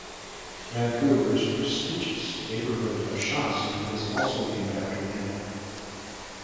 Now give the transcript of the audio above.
Vancouver's prestigious neighbourhood of Shaughnessy is also named after him.